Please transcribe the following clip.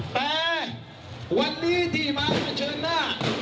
แต่วันนี้ที่มาเผชิญหน้า